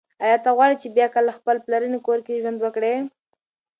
ایا ته غواړي چې بیا کله په خپل پلرني کور کې ژوند وکړې؟